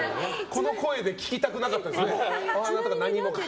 この声で聞きたくなかったですね。